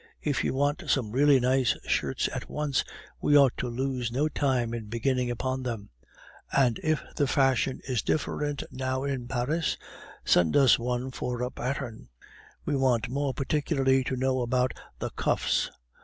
If you want some really nice shirts at once, we ought to lose no time in beginning upon them; and if the fashion is different now in Paris, send us one for a pattern; we want more particularly to know about the cuffs.